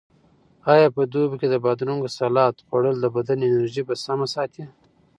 آیا په دوبي کې د بادرنګو سالاډ خوړل د بدن انرژي په سمه ساتي؟